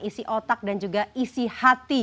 isi otak dan juga isi hati